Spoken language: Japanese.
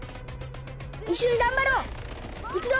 いっしょにがんばろう！いくぞ！